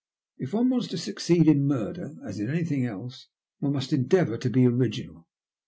If one wants to succeed in murder, as in anything else, one must endeavour to be original."